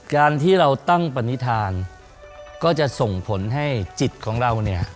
การที่เราตั้งปณิธานก็จะส่งผลให้จิตของเราเนี่ย